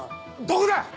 どこだ？